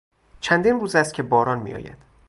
چندین روز است که باران میآید.